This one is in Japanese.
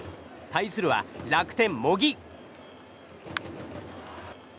対するは楽天、茂木。